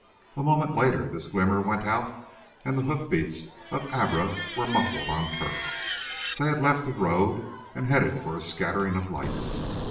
A moment later this glimmer went out, and the hoofbeats of Abra were muffled on turf. They had left the road and headed for a scattering of lights.